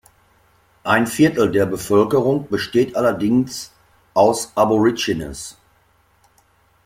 Ein Viertel der Bevölkerung besteht allerdings aus Aborigines.